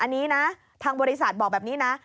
อันนี้นะทางบริษัทบอกแบบนี้นะ